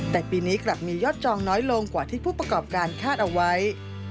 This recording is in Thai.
แต่ปีนี้กลับมียอดจองน้อยลงกว่าที่ผู้ประกอบการคาดเอาไว้